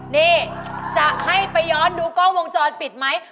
นี่จะให้ไปย้อนดูกล้องวงจรปิดไหม